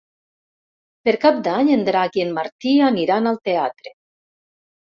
Per Cap d'Any en Drac i en Martí aniran al teatre.